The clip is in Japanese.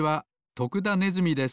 徳田ネズミです。